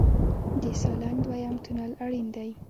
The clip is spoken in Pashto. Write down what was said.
د سالنګ دویم تونل اړین دی